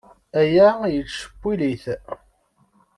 Aya yettcewwil-it.